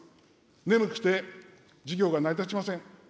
眠くて授業が成り立ちません。